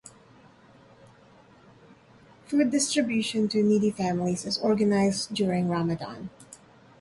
Food distribution to needy families is organized during Ramadhan.